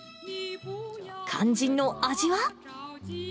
肝心の味は？